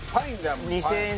２０００円